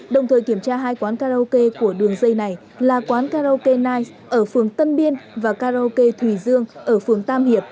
đồng thời kiểm tra hai quán karaoke của đường dây này là quán karaoke nige ở phường tân biên và karaoke thùy dương ở phường tam hiệp